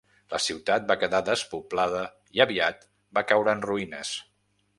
La ciutat va quedar despoblada i aviat va caure en ruïnes.